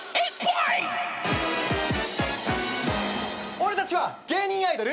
俺たちは芸人アイドル。